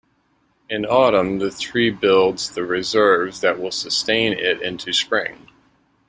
In autumn, the tree builds the reserves that will sustain it into spring.